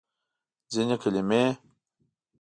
ځینې کلمې